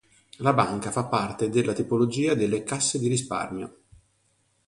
La banca fa parte della tipologia delle Casse di Risparmio.